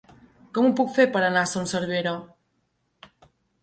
Com ho puc fer per anar a Son Servera?